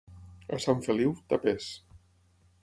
A Sant Feliu, tapers.